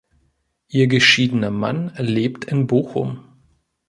Ihr geschiedener Mann lebt in Bochum.